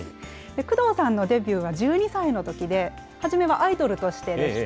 工藤さんのデビューは１２歳のときで、初めはアイドルとしてでした。